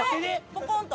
ポコンと。